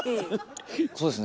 そうですね